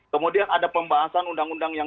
kemudian ada pembahasan undang undang yang